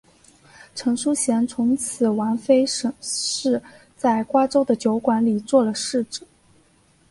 陈叔贤从此王妃沈氏在瓜州的酒馆里做了侍者。